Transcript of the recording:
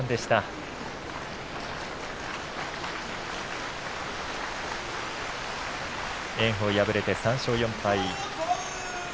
炎鵬、敗れて３勝４敗。